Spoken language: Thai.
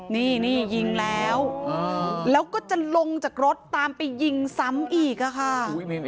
นี่ยิงแล้วแล้วก็จะลงจากรถตามไปยิงซ้ำอีกค่ะ